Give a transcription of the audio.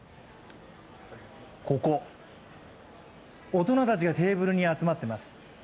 ここ、大人たちがテーブルに集まっています。